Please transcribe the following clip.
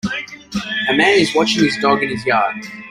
A man is watching his dog in his yard.